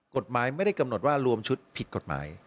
กฎหมายไม่ได้กำหนดว่ารวมชุดผิดกฎหมาย